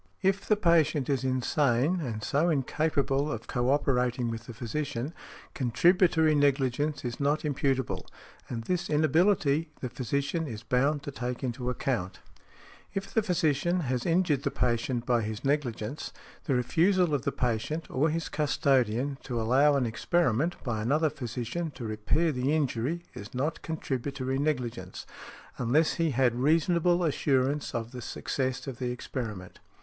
If the patient is insane, and so incapable of co operating with the physician, contributory negligence is not imputable. And this inability the physician is bound to take into account . |70| If the physician has injured the patient by his negligence, the refusal of the patient, or his custodian, to allow an experiment, by another physician, to repair the injury is not contributory negligence, unless he had reasonable assurance of the success of the experiment .